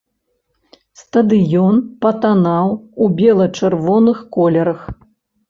Стадыён патанаў у бела-чырвоных колерах.